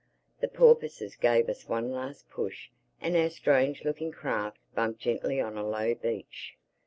The porpoises gave us one last push and our strange looking craft bumped gently on a low beach.